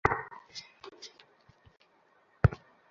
Mic, চলে আসো।